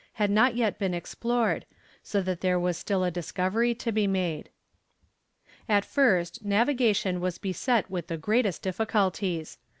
had not yet been explored, so that there was still a discovery to be made. At first navigation was beset with the greatest difficulties.